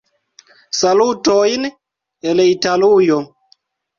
Salutojn el Italujo.